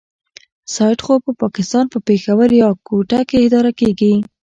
سایټ خو په پاکستان په پېښور يا کوټه کې اداره کېږي.